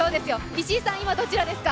石井さん、今どちらですか？